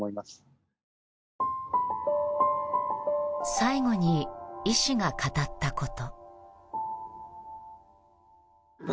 最後に医師が語ったこと。